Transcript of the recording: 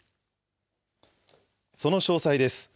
その詳細です。